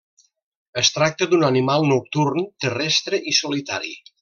Es tracta d'un animal nocturn, terrestre i solitari.